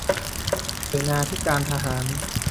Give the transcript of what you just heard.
เสนาธิการทหาร